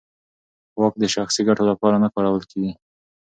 واک د شخصي ګټو لپاره نه کارول کېږي.